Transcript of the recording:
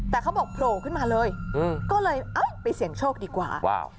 แต่เขาบอกโผล่ขึ้นมาเลยก็เลยเอ้าไปเสี่ยงโชคดีกว่าว้าว